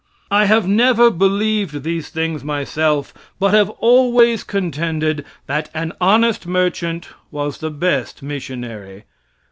I have never believed these things myself, but have always contended that an honest merchant was the best missionary.